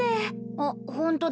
あっホントだ。